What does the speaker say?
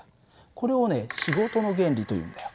これをね仕事の原理というんだよ。